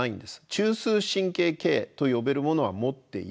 中枢神経系と呼べるものは持っていない。